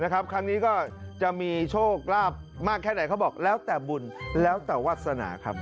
ครั้งนี้ก็จะมีโชคลาภมากแค่ไหนเขาบอกแล้วแต่บุญแล้วแต่วาสนาครับ